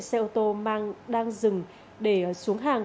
xe ô tô đang dừng để xuống hàng